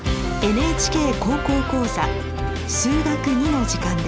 ＮＨＫ高校講座「数学Ⅱ」の時間です。